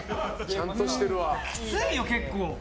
きついよ結構。